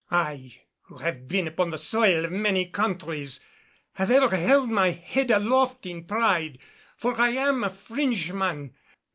I, who have been upon the soil of many countries, have ever held my head aloft in pride; for I am a Frenchman.